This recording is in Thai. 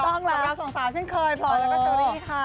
ถูกต้องแล้วสองสาวเช่นเคยพลอยแล้วก็เชอรี่ค่ะ